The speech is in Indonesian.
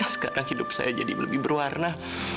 sekarang hidup saya jadi lebih berwarna